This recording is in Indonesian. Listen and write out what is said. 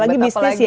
apalagi bisnis ya